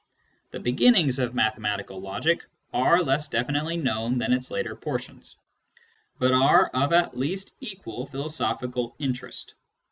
The beginnings of mathematical logic are less definitely known than its later portions, but are of at least equal philosophical interest.